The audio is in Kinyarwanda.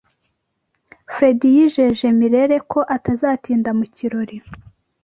Fredy yijeje Mirelle ko atazatinda mu kirori.